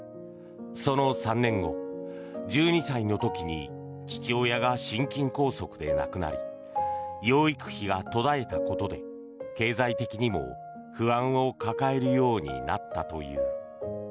その３年後、１２歳の時に父親が心筋梗塞で亡くなり養育費が途絶えたことで経済的にも不安を抱えるようになったという。